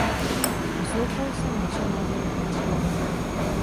Poslouchal jsem vaše názory pečlivě.